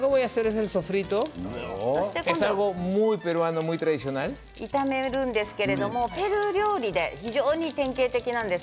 そして炒めるんですけれどペルー料理で典型的なんです